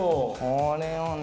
これをね